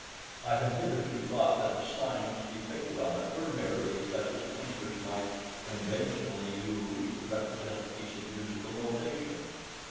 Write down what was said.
I had hitherto thought that the signs depicted on it were merely such as painters might conventionally use to represent a piece of musical notation.